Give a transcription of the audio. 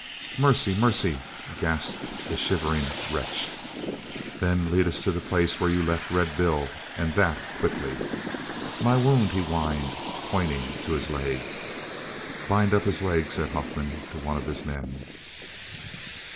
"Mercy! Mercy!" gasped the shivering wretch. "Then lead us to the place where you left Red Bill, and that quickly." "My wound," he whined, pointing to his leg. "Bind up his leg," said Huffman to one of his men.